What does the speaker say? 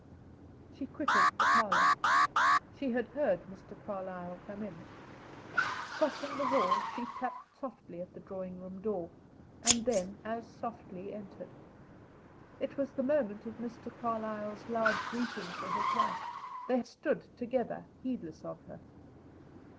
She quitted the parlor. She had heard Mr. Carlyle come in. Crossing the hall, she tapped softly at the drawing room door, and then as softly entered. It was the moment of Mr. Carlyle's loud greeting to his wife. They stood together heedless of her.